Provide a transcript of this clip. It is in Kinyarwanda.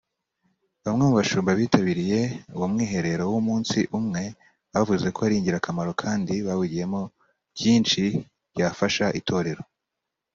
Bamwe mu bashumba bitabiriye uwo mwiherero w’umunsi umwe bavuze ko ari ingirakamaro kandi bawigiyemo byinshi byafasha itorero